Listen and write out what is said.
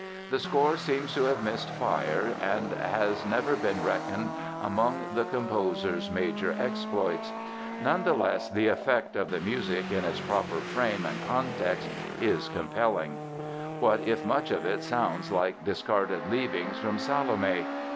The score seems to have missed fire and has never been reckoned among the composer's major exploits. None the less the effect of the music in its proper frame and context is compelling. What if much of it sounds like discarded leavings from "Salome"?